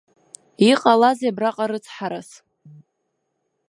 Иҟалазеи абраҟа рыцҳарас?